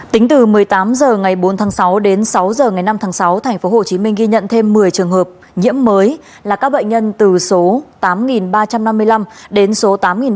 tính từ một mươi tám h ngày bốn tháng sáu đến sáu h ngày năm tháng sáu tp hcm ghi nhận thêm một mươi trường hợp nhiễm mới là các bệnh nhân từ số tám ba trăm năm mươi năm đến số tám ba mươi